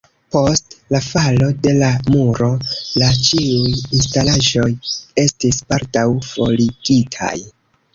Post "„la falo de la muro“" la ĉiuj instalaĵoj estis baldaŭ forigitaj.